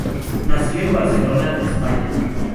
Nació en Barcelona, España.